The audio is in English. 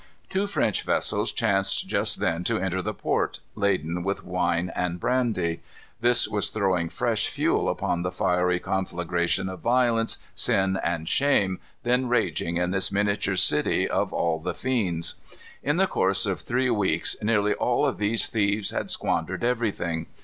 Two French vessels chanced just then to enter the port, laden with wine and brandy. This was throwing fresh fuel upon the fiery conflagration of violence, sin, and shame then raging in this miniature city of all the fiends. In the course of three weeks nearly all of these thieves had squandered everything.